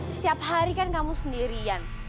setiap hari kan kamu sendirian